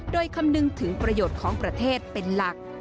โดยคำนึงถึงประโยชน์ของประเทศเป็นหลัก